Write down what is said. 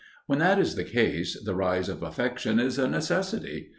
When that is the case the rise of affection is a necessity.